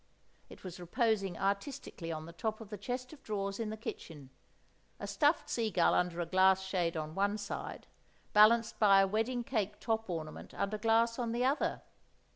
(it was reposing artistically on the top of the chest of drawers in the kitchen, a stuffed sea gull under a glass shade on one side, balanced by a wedding cake top ornament under glass on the other).